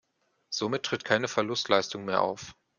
Somit tritt keine Verlustleistung mehr auf.